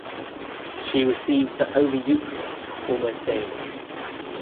She received the Holy Eucharist almost daily.